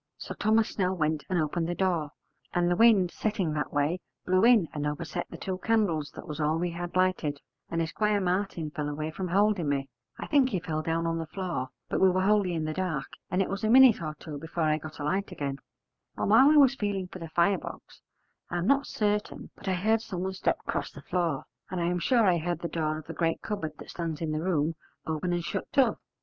So Thomas Snell went and opened the door, and the wind setting that way blew in and overset the two candles that was all we had lighted: and Esquire Martin fell away from holding me; I think he fell down on the floor, but we were wholly in the dark, and it was a minute or two before I got a light again: and while I was feeling for the fire box, I am not certain but I heard someone step 'cross the floor, and I am sure I heard the door of the great cupboard that stands in the room open and shut to.